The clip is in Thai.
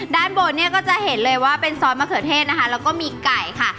ด้านบนเนี่ยก็จะเห็นเลยว่าเป็นซอสมะเขือเทศนะคะแล้วก็มีไก่ค่ะ